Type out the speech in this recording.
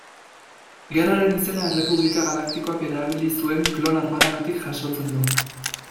Gerraren izena Errepublika galaktikoak erabili zuen klon armadagatik jasotzen du.